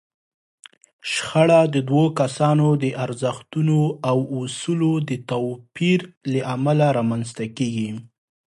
شخړه د دوو کسانو د ارزښتونو او اصولو د توپير له امله رامنځته کېږي.